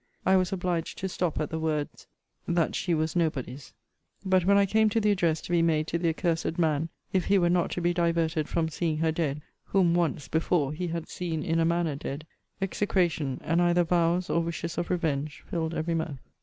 I was obliged to stop at the words, 'That she was nobody's.' But when I came to the address to be made to the accursed man, 'if he were not to be diverted from seeing her dead, whom ONCE before he had seen in a manner dead' execration, and either vows or wishes of revenge, filled every mouth.